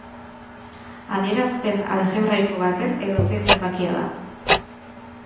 Adierazpen aljebraiko baten edozein zenbakia da.